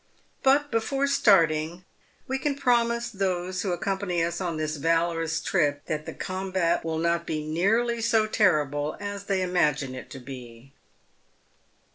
But, before starting, we can promise those who accompany us on this valorous trip, that the combat will not be nearly so terrible as they imagine it to be.